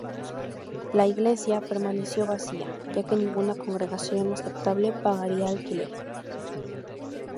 La iglesia permaneció vacía, ya que ninguna congregación aceptable pagaría alquiler.